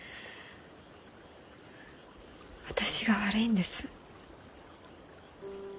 私が悪いんです。